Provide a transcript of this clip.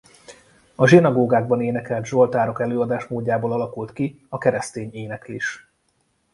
A zsinagógákban énekelt zsoltárok előadásmódjából alakult ki a keresztény éneklés.